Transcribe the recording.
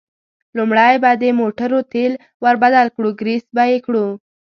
لومړی به د موټرو تېل ور بدل کړو، ګرېس به یې کړو.